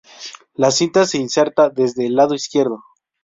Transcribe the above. La cinta se inserta desde el lado izquierdo.